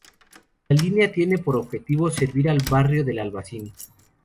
La línea tiene por objetivo servir al barrio del Albaicín.